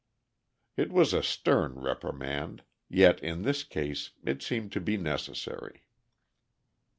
It was a stern reprimand, yet in this case it seemed to be necessary.